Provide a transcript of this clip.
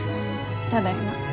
ただいま。